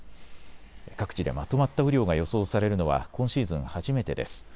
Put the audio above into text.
各地でまとまった雨量が予想されるのは今シーズン初めてです。